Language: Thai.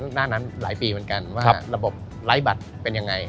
หน้านั้นหลายปีเหมือนกันว่าระบบไร้บัตรเป็นยังไง